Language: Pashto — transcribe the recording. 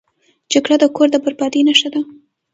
جګړه د کور د بربادۍ نښه ده